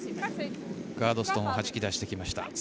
ガードストーンをはじき出してきました。